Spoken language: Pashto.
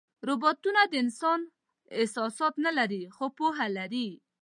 روبوټونه د انسان احساسات نه لري، خو پوهه لري.